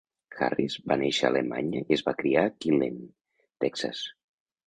Harris va néixer a Alemanya i es va criar a Killeen, Texas.